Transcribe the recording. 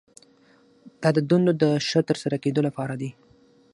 دا د دندو د ښه ترسره کیدو لپاره دي.